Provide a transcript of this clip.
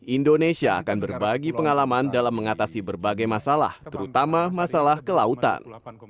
indonesia akan berbagi pengalaman dalam mengatasi berbagai masalah terutama masalah kelautan